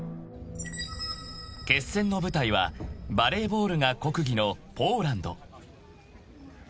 ［決戦の舞台はバレーボールが国技のポーランド］